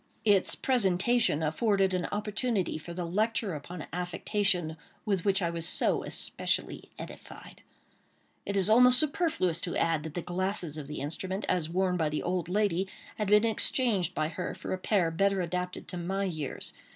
Its presentation afforded an opportunity for the lecture upon affectation with which I was so especially edified. It is almost superfluous to add that the glasses of the instrument, as worn by the old lady, had been exchanged by her for a pair better adapted to my years.